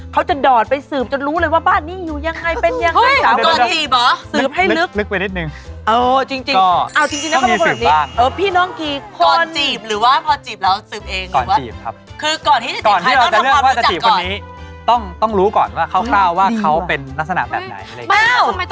เขาจะดอดไปสืบจนรู้เลยว่าบ้านนี้อยู่ยังไงเป็นยังไง